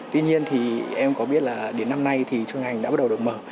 tuy nhiên thì em có biết là đến năm nay thì trường ngành đã bắt đầu được mở